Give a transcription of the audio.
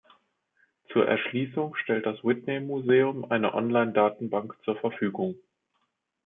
Zur Erschließung stellt das Whitney Museum eine Online-Datenbank zur Verfügung.